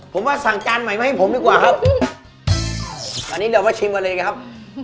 ผมว่าสั่งจานใหม่มาให้ผมดีกว่าครับอันนี้เดี๋ยวมาชิมกันเลยนะครับ